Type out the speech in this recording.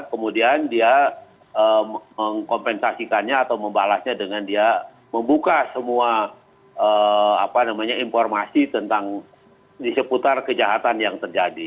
kemudian dia mengkompensasikannya atau membalasnya dengan dia membuka semua apa namanya informasi tentang diseputar kejahatan yang terjadi